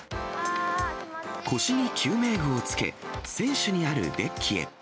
腰に救命具をつけ、船首にあるデッキへ。